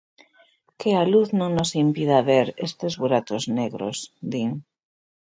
Que a luz non nos impida ver estes buratos negros, din.